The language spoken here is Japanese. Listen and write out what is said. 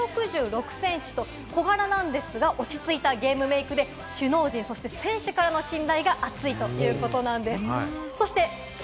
身長は１６６センチと小柄なんですが、落ち着いたゲームメイクで首脳陣、そして選手からの信頼が厚いということなんです。